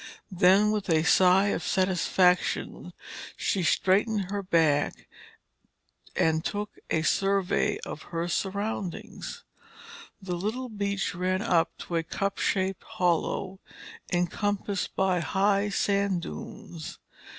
Then with a sigh of satisfaction, she straightened her back and took a survey of her surroundings. The little beach ran up to a cup shaped hollow, encompassed by high sand dunes.